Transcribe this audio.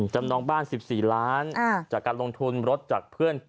จำนองบ้าน๑๔ล้านจากการลงทุนรถจากเพื่อน